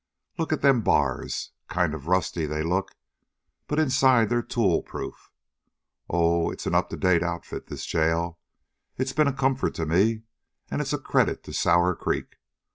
Look at them bars. Kind of rusty, they look, but inside they're toolproof. Oh, it's an up to date outfit, this jail. It's been a comfort to me, and it's a credit to Sour Creek.